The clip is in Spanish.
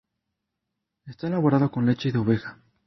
Está elaborado con leche de oveja.